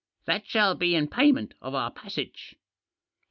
That shall be in payment of our passage."